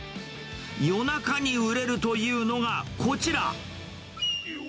夜中に売れるというのがこちら。